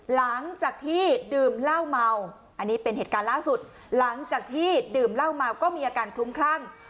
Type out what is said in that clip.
หลังจากที่ดื่มเหล้าเมาอันนี้เป็นเหตุการณ์ล่าสุดหลังจากที่ดื่มเหล้าเมาก็มีอาการคลุ้มคลั่ง